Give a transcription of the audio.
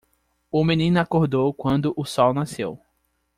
O menino acordou quando o sol nasceu.